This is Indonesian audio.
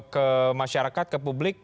ke masyarakat ke publik